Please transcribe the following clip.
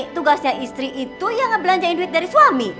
tugasnya istri itu ya ngebelanjain duit dari suami